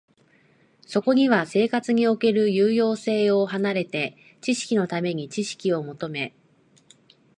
そこには生活における有用性を離れて、知識のために知識を求め、